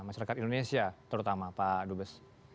masyarakat indonesia terutama pak dubes